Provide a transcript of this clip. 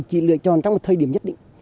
chỉ lựa chọn trong một thời điểm nhất định